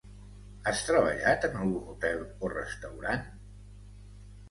Has treballat en algun hotel o restaurant?